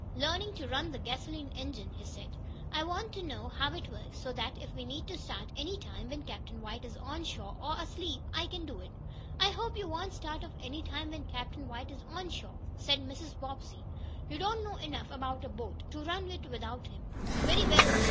"Learning to run the gasoline engine," he said. "I want to know how it works so that if we need to start any time when Captain White is on shore, or asleep, I can do it." "I hope you won't start off any time when Captain White is on shore," said Mrs. Bobbsey. "You don't know enough about a boat to run it without him." "Very well, then.